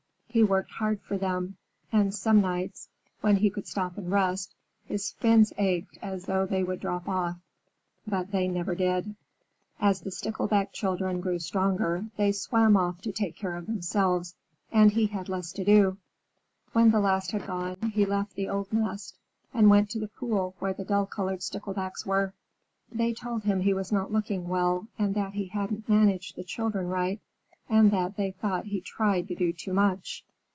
He worked hard for them, and some nights, when he could stop and rest, his fins ached as though they would drop off. But they never did. As the Stickleback children grew stronger, they swam off to take care of themselves, and he had less to do. When the last had gone, he left the old nest and went to the pool where the dull colored Sticklebacks were. They told him he was not looking well, and that he hadn't managed the children right, and that they thought he tried to do too much.